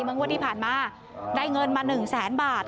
เมื่อวันที่ผ่านมาได้เงินมา๑๐๐๐๐๐บาท